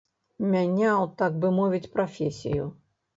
Мяняў, так бы мовіць, прафесію.